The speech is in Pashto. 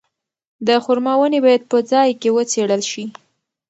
د خورما ونې باید په ځای کې وڅېړل شي.